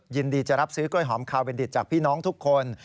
ยินดีจะรับซื้อกล้วยหอมคาเวนดิตจากพี่น้องทุกคน